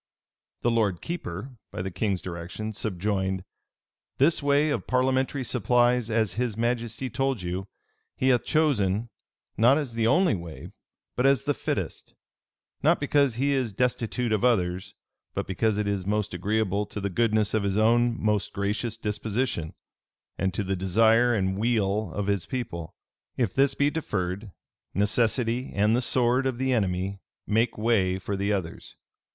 [] The lord keeper, by the king's direction, subjoined, "This way of parliamentary supplies as his majesty told you, he hath chosen, not as the only way, but as the fittest; not because he is destitute of others, but because it is most agreeable to the goodness of his own most gracious disposition, and to the desire and weal of his people. If this be deferred, necessity and the sword of the enemy make way for the others.